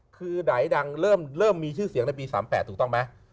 คือไหนดังเริ่มมีชื่อเสียงในปี๓๘ถูกต้องไหม